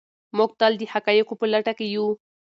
موږ تل د حقایقو په لټه کې یو.